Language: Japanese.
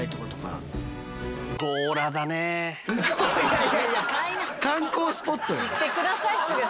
いやいやいや観光スポットよ。